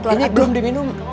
ini belum diminum